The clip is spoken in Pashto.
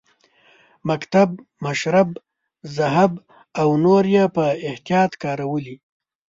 مکتب، مشرب، ذهب او نور یې په احتیاط کارولي.